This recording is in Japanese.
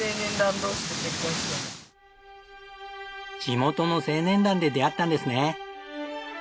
地元の青年団で出会ったんですね。